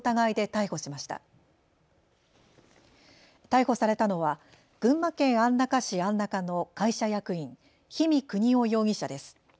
逮捕されたのは群馬県安中市安中の会社役員、氷見国雄容疑者です。